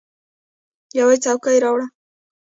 یوه څوکۍ راوړه !